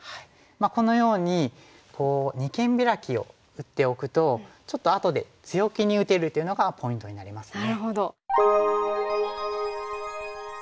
このように二間ビラキを打っておくとちょっとあとで強気に打てるというのがポイントになりますね。